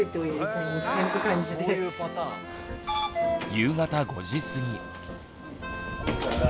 夕方５時過ぎ。